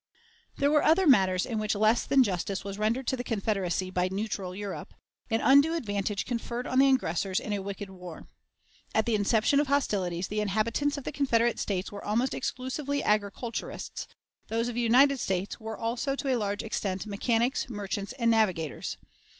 There were other matters in which less than justice was rendered to the Confederacy by "neutral" Europe, and undue advantage conferred on the aggressors in a wicked war. At the inception of hostilities, the inhabitants of the Confederate States were almost exclusively agriculturists; those of the United States were also to a large extent mechanics, merchants, and navigators.